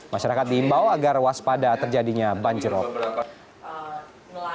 masyarakat diimbau agar waspada terjadinya banjir laut